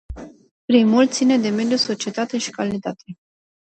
Primul ține de mediu, societate și calitate.